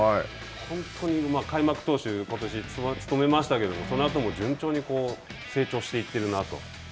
本当に開幕投手、ことし、務めましたけれども、そのあとも順調に成長していってるなと。